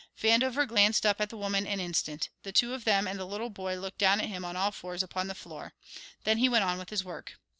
Vandover glanced up at the women an instant. The two of them and the little boy looked down at him on all fours upon the floor. Then he went on with his work.